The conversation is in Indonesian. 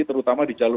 terutama di jalur